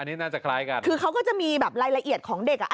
อันนี้น่าจะคล้ายกันคือเขาก็จะมีแบบรายละเอียดของเด็กอ่ะ